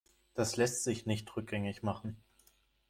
Das lässt sich nicht rückgängig machen.